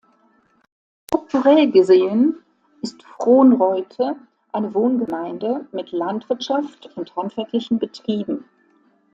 Strukturell gesehen ist Fronreute eine Wohngemeinde mit Landwirtschaft und handwerklichen Betrieben.